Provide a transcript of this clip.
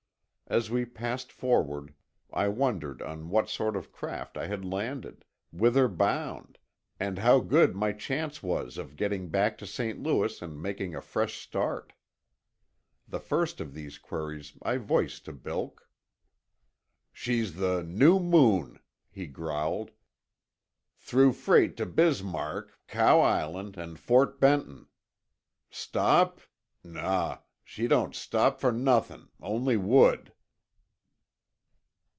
As we passed forward I wondered on what sort of craft I had landed, whither bound, and how good my chance was of getting back to St. Louis and making a fresh start. The first of these queries I voiced to Bilk. "She's the New Moon," he growled. "Through freight t' Bismark, Cow Island, and Fort Benton. Stop? Naw, she don't stop fer nothin' only wood."